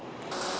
với các giải pháp